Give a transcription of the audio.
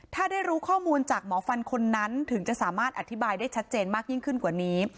ถ้าได้รู้ข้อมูลจากหมอฟันคนนั้นถึงจะสามารถอธิบายได้ชัดเจนมากยิ่งขึ้นกว่านี้